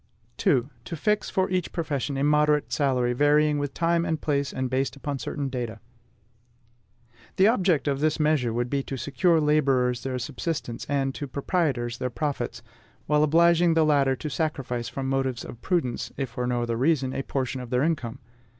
2. TO FIX FOR EACH PROFESSION A MODERATE SALARY, VARYING WITH TIME AND PLACE AND BASED UPON CERTAIN DATA. The object of this measure would be to secure to laborers their subsistence, and to proprietors their profits, while obliging the latter to sacrifice from motives of prudence, if for no other reason, a portion of their income.